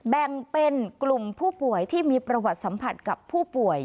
แบ่งเป็นกลุ่มผู้ป่วยที่มีประวัติสัมผัสกับผู้ป่วย